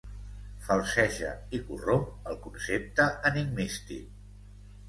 «falseja i corromp el concepte enigmístic».